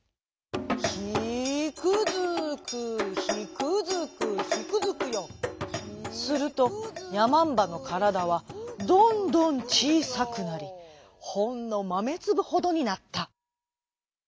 「ヒクヅクヒクヅクヒクヅクヨ」するとやまんばのからだはどんどんちいさくなりほんのまめつぶほどになった。